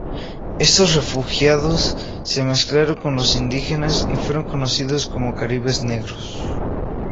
Estos refugiados se mezclaron con los indígenas y fueron conocidos como "caribes negros".